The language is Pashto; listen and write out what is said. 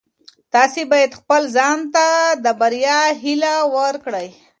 تاسي باید خپل ځان ته د بریا هیله ورکړئ.